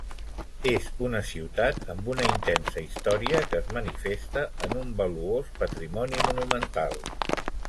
És una ciutat amb una intensa història que es manifesta en un valuós patrimoni monumental.